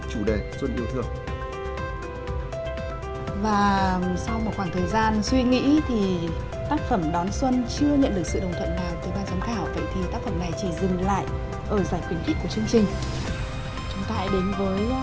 cả nước đang vui